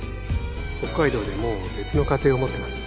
北海道でもう別の家庭を持ってます